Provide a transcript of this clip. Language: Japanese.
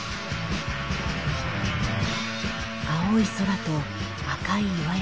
青い空と赤い岩山。